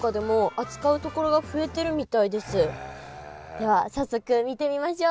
では早速見てみましょう。